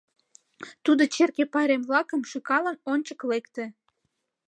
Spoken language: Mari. Тудо, черке пайрем-влакым шӱкалын, ончык лекте.